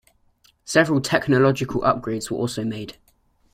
Several technological upgrades were also made.